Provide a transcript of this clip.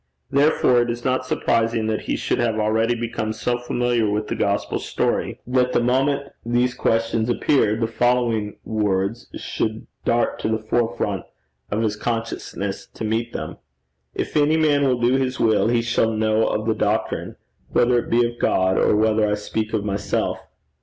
Therefore it is not surprising that he should have already become so familiar with the gospel story, that the moment these questions appeared, the following words should dart to the forefront of his consciousness to meet them: 'If any man will do his will, he shall know of the doctrine, whether it be of God, or whether I speak of myself.'